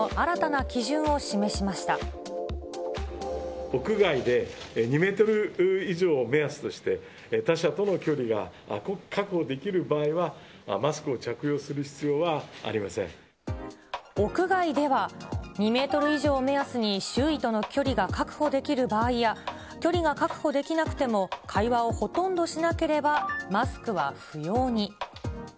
おととい、屋外で２メートル以上目安として、他者との距離が確保できる場合は、マスクを着用する必要は屋外では、２メートル以上を目安に周囲との距離が確保できる場合や、距離が確保できなくても、会話をほとんどしなければ、マスクは不要に。